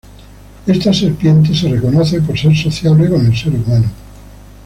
Esta serpiente es reconocida por ser sociable con el ser humano.